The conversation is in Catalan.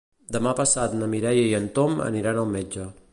Demà passat na Mireia i en Tom aniran al metge.